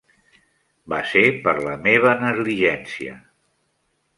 Va ser per la meva negligència.